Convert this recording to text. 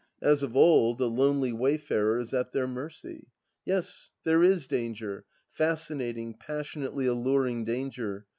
As of old, a lonely wayfarer is at their mercy. Yes, there is danger — ^fascinating, passionately alluring danger.